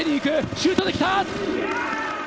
シュートで来た。